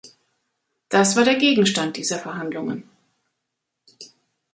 Das war der Gegenstand dieser Verhandlungen.